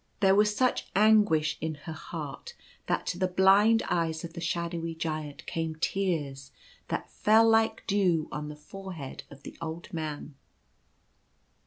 There was such anguish in her heart that to the blind eyes of the shadowy Giant came tears that fell like dew on the forehead of the old man.